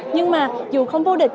nhưng mà dù không vô địch